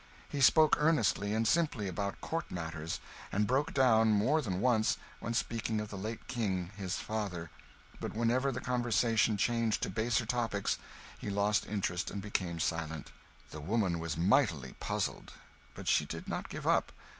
He spoke earnestly and simply about court matters, and broke down, more than once, when speaking of the late King 'his father'; but whenever the conversation changed to baser topics, he lost interest and became silent. The woman was mightily puzzled; but she did not give up.